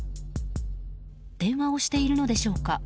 電話をしているのでしょうか。